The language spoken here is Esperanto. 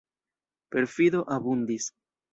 Perfido abundis.